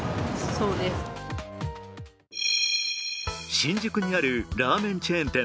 新宿にあるラーメンチェーン店。